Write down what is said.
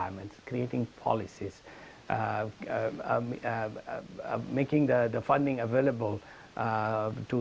seperti mendukung para pemain keluarga dan membuat peran kembali ke dunia